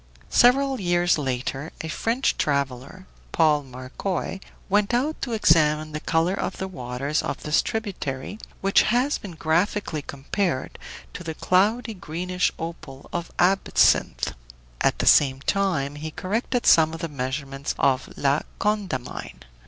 Several years later a French traveler, Paul Marcoy, went out to examine the color of the waters of this tributary, which has been graphically compared to the cloudy greenish opal of absinthe. At the same time he corrected some of the measurements of La Condamine.